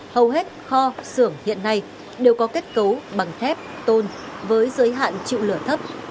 hầu hết kho xưởng hiện nay đều có kết cấu bằng thép tôn với giới hạn chịu lửa thấp